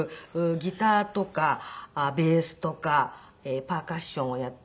ギターとかベースとかパーカッションをやって。